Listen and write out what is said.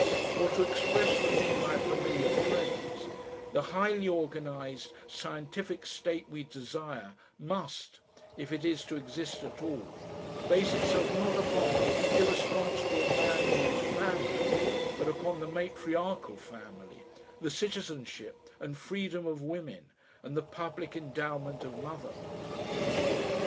Or, to express the thing by a familiar phrase, the highly organised, scientific state we desire must, if it is to exist at all, base itself not upon the irresponsible man ruled family, but upon the matriarchal family, the citizen ship and freedom of women and the public endowment of motherhood.